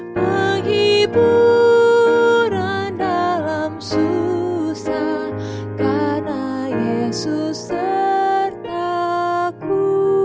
penghiburan dalam susah karena yesus sertaku